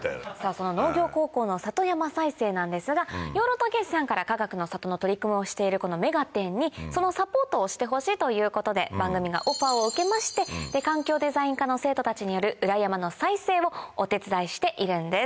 その農業高校の里山再生なんですが養老孟司さんからかがくの里の取り組みをしているこの『目がテン！』にそのサポートをしてほしいということで番組がオファーを受けまして環境デザイン科の生徒たちによる裏山の再生をお手伝いしているんです。